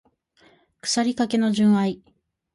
腐りかけの純愛